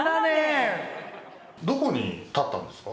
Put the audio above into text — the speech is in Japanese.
どこに建ったんですか？